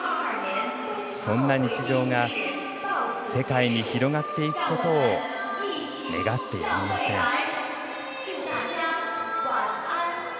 そんな日常が世界に広がっていくことを願ってやみません。